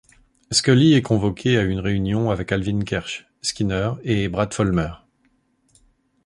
Scully est convoquée à une réunion avec Alvin Kersh, Skinner et Brad Follmer.